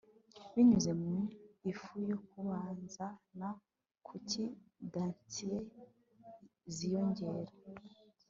Binyuze mu ifu yo kubazana kuki dainties ziyongera